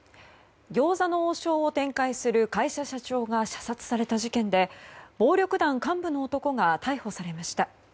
餃子の王将を展開する会社社長が射殺された事件で暴力団幹部の男が逮捕されました。